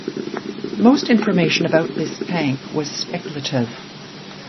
Most information about this tank was speculative.